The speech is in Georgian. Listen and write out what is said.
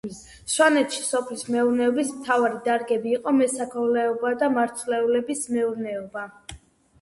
სვანეთში სოფლის მეურნეობის მთავარი დარგები იყო მესაქონლეობა და მარცვლეულის მეურნეობა.